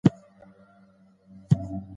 هيچا د استدلال حق نه درلود.